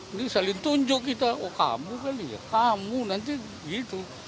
ini saling tunjuk kita oh kamu kali ya kamu nanti gitu